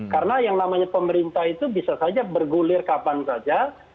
karena yang namanya pemerintah itu bisa saja bergulir kapan saja